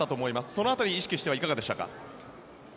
その辺りを意識していかがでしたか？